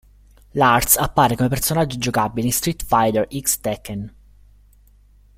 Lars appare come personaggio giocabile in Street Fighter X Tekken.